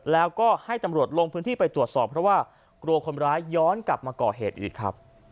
แล้วก็ให้ตำรวจลงพื้นที่ไปตรวจสอบเพราะว่ากลัวคนร้ายย้อนกลับมาก่อเหตุอีกครับ